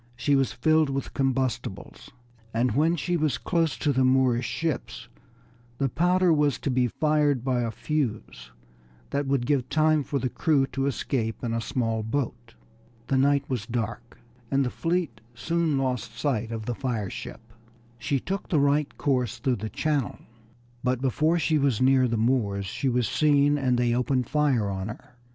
She was filled with combustibles, and when she was close to the Moorish ships the powder was to be fired by a fuse that would give time for the crew to escape in a small boat. The night was dark, and the fleet soon lost sight of this fire ship. She took the right course through the channel, but before she was near the Moors she was seen and they opened fire on her.